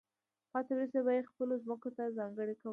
پاتې ورځې به یې خپلو ځمکو ته ځانګړې کولې.